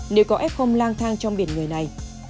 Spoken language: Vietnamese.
nếu có ép không lang thang trong biển người này